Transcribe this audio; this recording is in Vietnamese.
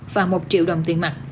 và một triệu đồng tiền mặt